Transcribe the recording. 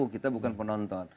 kita bukan penonton